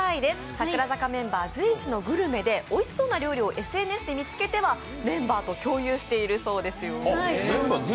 櫻坂メンバー随一のグルメでおいしそうな料理をＳＮＳで見つけては、メンバーと共有しているそうですよ。